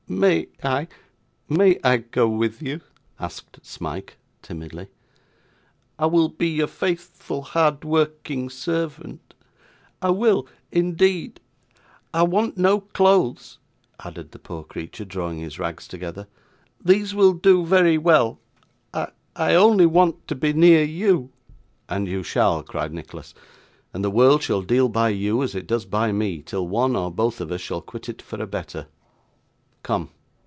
'May I may I go with you?' asked Smike, timidly. 'I will be your faithful hard working servant, I will, indeed. I want no clothes,' added the poor creature, drawing his rags together; 'these will do very well. I only want to be near you.' 'And you shall,' cried Nicholas. 'And the world shall deal by you as it does by me, till one or both of us shall quit it for a better. Come!